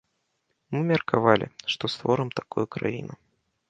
Мы меркавалі, што створым такую краіну.